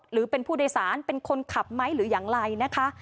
หรือเป็นผู้โดยสารเป็นคนขับไหมหรืออย่างไรนะคะ